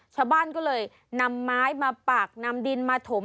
ชาวบ้านก็เลยนำไม้มาปักนำดินมาถม